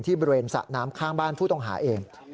บริเวณสระน้ำข้างบ้านผู้ต้องหาเอง